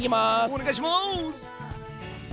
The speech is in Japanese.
お願いします。